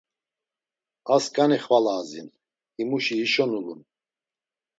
A sǩani xvala azin, himuşi hişo nulun.